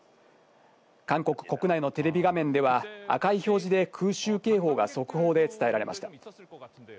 韓国国内のテレビ画面では赤い表示で空襲警報が速報で伝えられました。